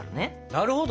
なるほど。